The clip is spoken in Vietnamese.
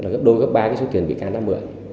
là gấp đôi gấp ba cái số tiền bị can đã mượn